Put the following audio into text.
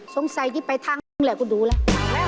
สงสัยจะไปทางนึงแหละกูดูแล้ว